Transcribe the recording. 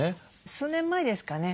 数年前ですかね